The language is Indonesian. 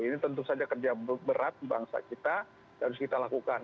ini tentu saja kerja berat bangsa kita harus kita lakukan